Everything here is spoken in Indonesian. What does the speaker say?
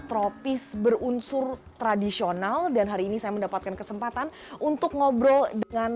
tropis berunsur tradisional dan hari ini saya mendapatkan kesempatan untuk ngobrol dengan